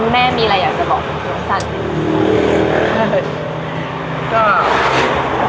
แม่มีอะไรอยากจะบอกคุณน้องสัน